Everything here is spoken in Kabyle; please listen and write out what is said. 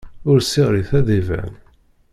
Ur ssiɣrit ar d iban!